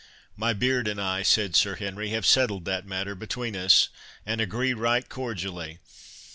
"My beard and I," said Sir Henry, "have settled that matter between us, and agree right cordially.